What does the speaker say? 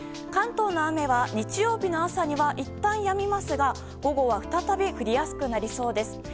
関東の雨は日曜日の朝にはいったんやみますが午後は、再び降りやすくなりそうです。